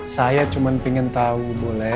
saya cuma pengen tahu boleh